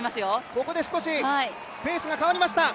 ここで少しペースが変わりました！